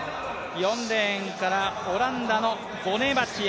４レーンからオランダのボネバチア。